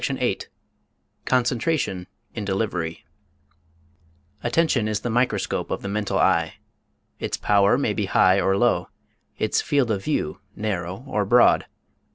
CHAPTER VIII CONCENTRATION IN DELIVERY Attention is the microscope of the mental eye. Its power may be high or low; its field of view narrow or broad.